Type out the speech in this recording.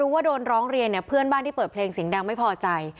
ว่าโดนร้องเรียนเนี่ยเพื่อนบ้านที่เปิดเพลงเสียงดังไม่พอใจ